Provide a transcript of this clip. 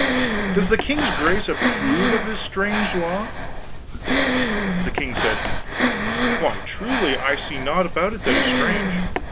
Does the king's grace approve of this strange law?" The king said: "Why, truly I see naught about it that is strange.